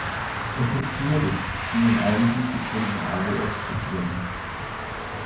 Es ist schwierig, sie in einigen Sekunden alle aufzuzählen.